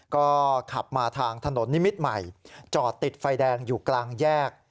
ก็ขับมาทางถนนนิมิตรใหม่จอดติดไฟแดงอยู่กลางแยก